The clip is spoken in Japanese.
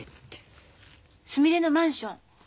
すみれのマンション。